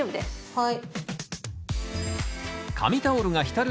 はい。